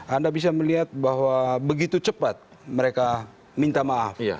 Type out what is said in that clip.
anda bisa melihat bahwa begitu cepat mereka minta maaf